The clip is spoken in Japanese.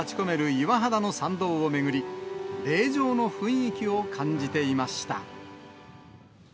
岩肌の参道を巡り、霊場の雰囲気を感じていました。